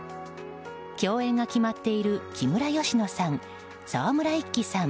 共演が決まっている木村佳乃さん、沢村一樹さん